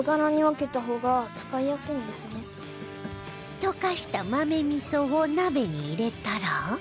溶かした豆味噌を鍋に入れたら